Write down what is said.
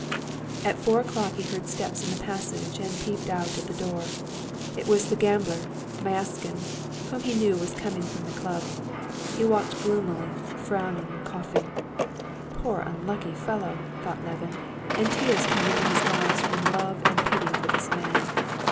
At four o'clock he heard steps in the passage and peeped out at the door. It was the gambler Myaskin, whom he knew, coming from the club. He walked gloomily, frowning and coughing. "Poor, unlucky fellow!" thought Levin, and tears came into his eyes from love and pity for this man.